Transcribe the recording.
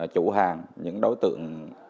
chủ hàng những đối tượng